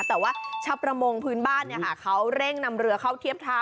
แต่ว่าชาวประมงพื้นบ้านเขาเร่งนำเรือเข้าเทียบเท้า